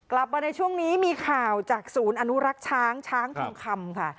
กลับมาในช่วงนี้มีข่าวจากศูนย์อนุรักษ์ช้างช้างทองคำค่ะ